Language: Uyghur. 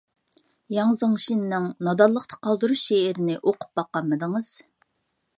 ياڭ زېڭشىننىڭ «نادانلىقتا قالدۇرۇش» شېئىرىنى ئوقۇپ باققانمىدىڭىز؟